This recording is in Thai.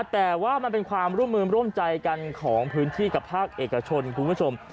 แต่ว่ามันเป็นความร่วมมือร่วมใจกันของพื้นที่กับภาคเอกชนคุณผู้ชม